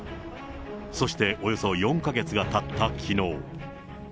そしておよそ４か月がたったきのう。